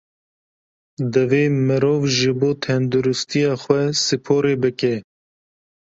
Divê mirov ji bo tenduristiya xwe sporê bike.